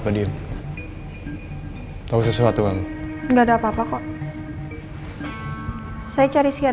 ada yang salah